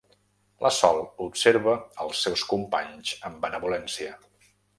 La Sol observa els seus companys amb benevolència.